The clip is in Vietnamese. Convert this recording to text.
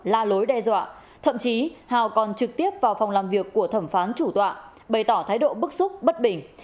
là lối đe dọa thậm chí hào còn trực tiếp vào phòng làm việc của thẩm phán chủ tọa bày tỏ thái độ bức xúc bất bình